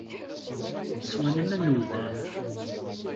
Swant aman n wedrar.